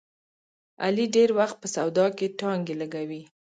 علي ډېری وخت په سودا کې ټانګې لګوي.